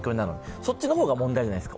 そっちの方が問題じゃないですか。